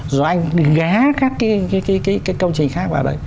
rồi anh ghé các cái công trình khác vào đấy